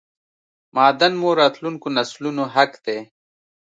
معادن مو راتلونکو نسلونو حق دی